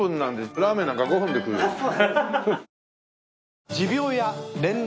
ラーメンなんか５分で食うよ。